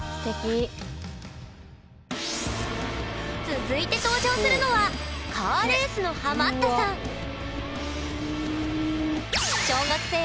続いて登場するのはカーレースのハマったさん小学生？